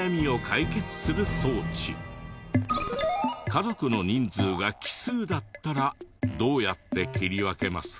家族の人数が奇数だったらどうやって切り分けますか？